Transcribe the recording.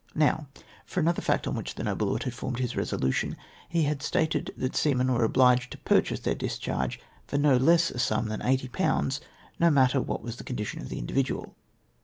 " Now for another fact on which the noble lord had formed his resolution. He had stated that seamen were obliged to purchase their discharge by no less a sum than 80^., no matter what was the condition of the individual.